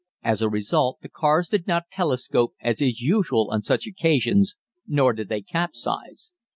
As a result, the cars did not telescope, as is usual on such occasions, nor did they capsize.